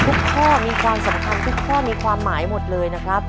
ข้อมีความสำคัญทุกข้อมีความหมายหมดเลยนะครับ